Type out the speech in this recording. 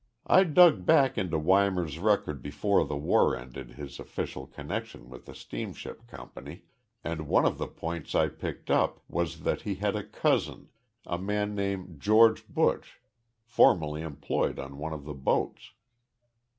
"I dug back into Weimar's record before the war ended his official connection with the steamship company, and one of the points I picked up was that he had a cousin a man named George Buch formerly employed on one of the boats.